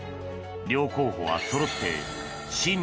両候補はそろって親